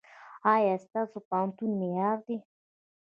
ایا ستاسو پوهنتون معیاري دی؟